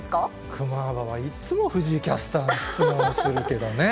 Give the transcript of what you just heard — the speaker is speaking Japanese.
クマーバはいっつも藤井キャスターに質問をするけどね。